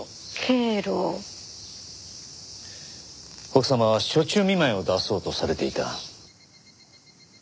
奥様は暑中見舞いを出そうとされていた。